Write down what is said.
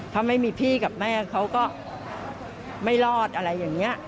ถ้าไม่มีพี่กับแม่เขาก็ไม่รอดอะไรอย่างนี้